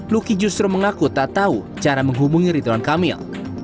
luki justru mengaku tak tahu cara menghubungi ridwan kamil